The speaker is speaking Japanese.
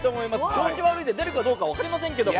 調子悪いんで出るかどうか分かりませんけど。